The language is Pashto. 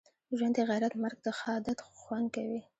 ژوند دغیرت مرګ دښهادت خوند کوی